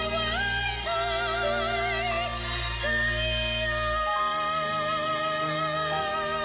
ด้วยความรู้สึกของเธอ